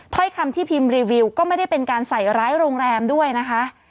ถ้อยคำที่พิมพ์รีวิวก็ไม่ได้เป็นการใส่ร้ายโรงแรมด้วยนะคะ